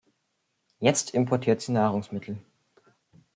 Jetzt importiert sie Nahrungsmittel.